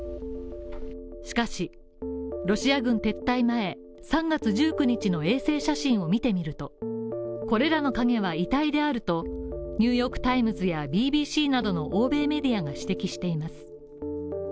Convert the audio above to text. しかし、ロシア軍撤退前３月１９日の衛星写真を見てみるとこれらの影は遺体であると、「ニューヨーク・タイムズ」やＢＢＣなどの欧米メディアが指摘しています。